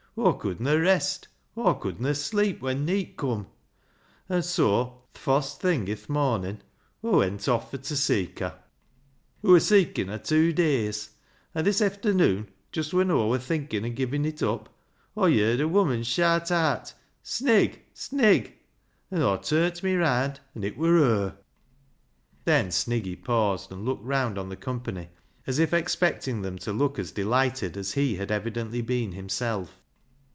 Aw couldna rest, Aw couldna sleep when neet coom. An' soa th' fost thing i' th' mornin' Aw went off fur t' seek her. Aw wur seekin' her tew days, an' this efthernoon, just when Aw wur thinkin' o' givin' it up, Aw yerd a woman shaat aat ' Snig ! Snig !' an' Aw turnt me raand an' it wur her." Then Sniggy paused, and looked round on the company, as if expecting them to look as delighted as he had evidently been himself.